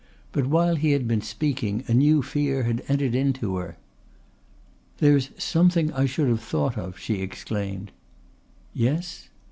But while he had been speaking a new fear had entered into her. "There's something I should have thought of," she exclaimed. "Yes?"